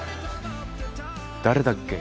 誰だっけ？